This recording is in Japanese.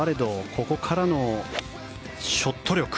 ここからのショット力。